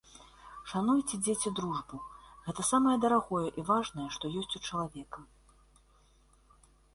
Шануйце, дзеці, дружбу, гэта самае дарагое і важнае, што ёсць у чалавека.